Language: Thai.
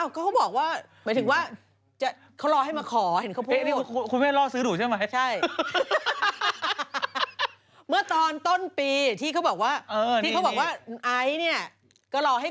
ก็เขาบอกว่าหมายถึงว่าเขารอให้มาขอเห็นเขาโพสต์